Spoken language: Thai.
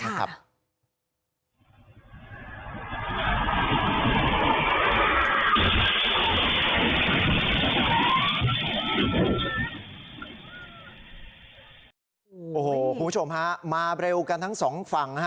คุณผู้ชมฮะมาเร็วกันทั้งสองฝั่ง